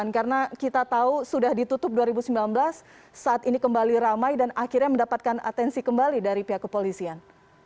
karena kita tahu sudah ditutup dua ribu sembilan belas saat ini kembali ramai dan akhirnya mendapatkan atensi kembali dari pihak kepolisian